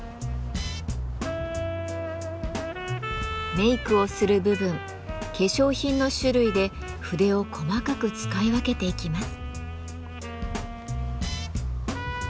メークをする部分化粧品の種類で筆を細かく使い分けていきます。